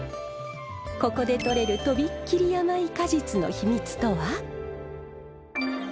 ここで採れる飛びっ切り甘い果実の秘密とは。